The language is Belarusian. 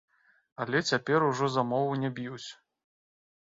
Але цяпер ужо за мову не б'юць.